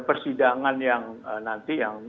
persidangan yang nanti yang